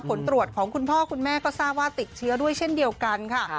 ผลตรวจของคุณพ่อคุณแม่ก็ทราบว่าติดเชื้อด้วยเช่นเดียวกันค่ะ